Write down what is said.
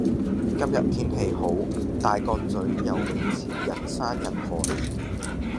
今日天氣好，大角咀游泳池人山人海。